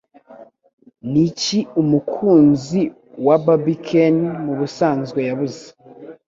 Niki Umukunzi wa Barbie Ken Mubusanzwe yabuze